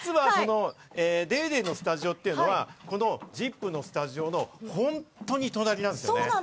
『ＤａｙＤａｙ．』のスタジオっていうのは『ＺＩＰ！』のスタジオの本当に隣なんですよね。